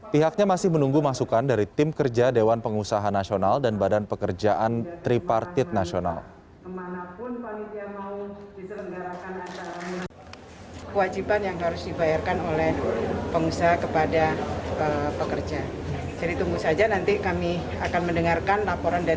pihaknya masih menunggu masukan dari tim kerja dewan pengusaha nasional dan badan pekerjaan tripartit nasional